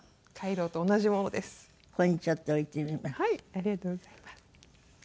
ありがとうございます。